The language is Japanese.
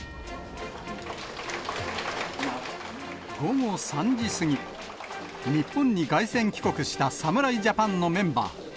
午後３時過ぎ、日本に凱旋帰国した侍ジャパンのメンバー。